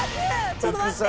ちょっと待って。